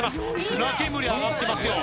砂煙上がってますよ